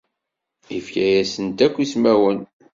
Ifka-asen akk ismawen.